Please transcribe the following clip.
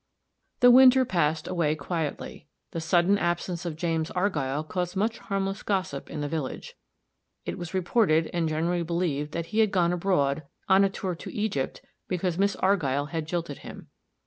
The winter passed away quietly. The sudden absence of James Argyll caused much harmless gossip in the village. It was reported, and generally believed, that he had gone abroad, on a tour to Egypt, because Miss Argyll had jilted him.